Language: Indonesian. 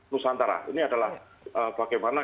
nusantara ini adalah bagaimana